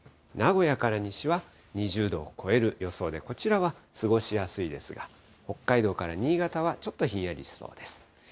名古屋から西は２０度を超える予想で、こちらは過ごしやすいですが、北海道から新潟は、ちょっとひんやりしそうです。